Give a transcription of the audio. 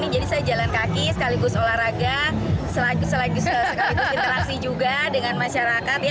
jadi saya jalan kaki sekaligus olahraga sekaligus interaksi juga dengan masyarakat